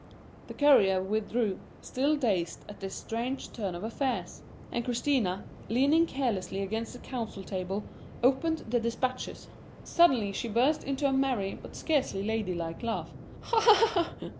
The courier withdrew, still dazed at this strange turn of affairs; and Christina, leaning carelessly against the council table, opened the dispatches. Suddenly she burst into a merry but scarcely lady like laugh. "Ha, ha, ha!